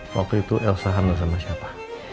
waktu itu elsa kenal sama siapa